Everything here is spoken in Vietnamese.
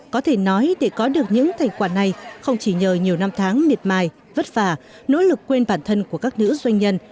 có thể nói để có được những thành quả này không chỉ nhờ nhiều năm tháng miệt mài vất vả nỗ lực quên bản thân của các nữ doanh nhân